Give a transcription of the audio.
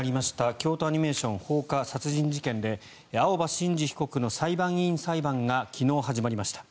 京都アニメーション放火殺人事件で青葉真司被告の裁判員裁判が昨日始まりました。